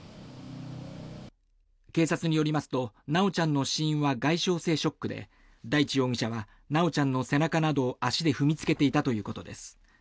警察によりますと修ちゃんの死因は外傷性ショックで大地容疑者は修ちゃんの背中などを足で踏みつけていたということです。